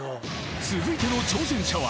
［続いての挑戦者は］